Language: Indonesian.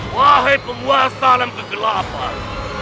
wahai penguasa dalam kegelapan